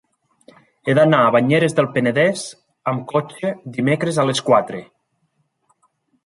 He d'anar a Banyeres del Penedès amb cotxe dimecres a les quatre.